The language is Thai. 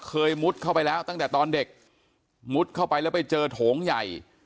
มุดเข้าไปแล้วตั้งแต่ตอนเด็กมุดเข้าไปแล้วไปเจอโถงใหญ่